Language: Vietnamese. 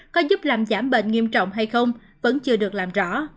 có giúp làm giảm bệnh nghiêm trọng hay không vẫn chưa được làm rõ